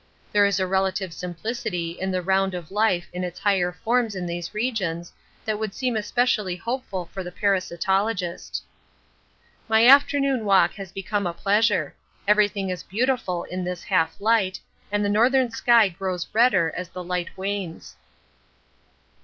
There is a relative simplicity in the round of life in its higher forms in these regions that would seem especially hopeful for the parasitologist. My afternoon walk has become a pleasure; everything is beautiful in this half light and the northern sky grows redder as the light wanes.